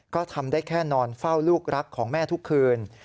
ก็ทำได้แค่นอนเฝ้าลูกรักของแม่ทุกคืน